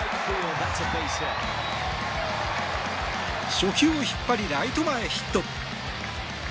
初球を引っ張りライト前ヒット。